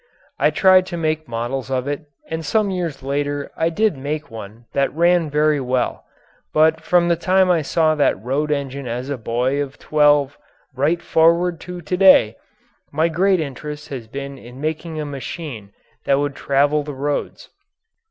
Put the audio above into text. I tried to make models of it, and some years later I did make one that ran very well, but from the time I saw that road engine as a boy of twelve right forward to to day, my great interest has been in making a machine that would travel the roads.